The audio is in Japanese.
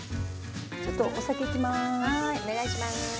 ちょっとお酒いきまーす。